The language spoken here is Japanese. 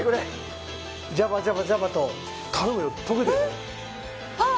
ジャバジャバジャバと頼むよ溶けてよあっ